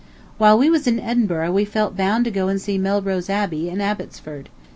While we was in Edinburgh we felt bound to go and see Melrose Abbey and Abbotsford.